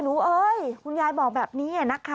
เอ้ยคุณยายบอกแบบนี้นะคะ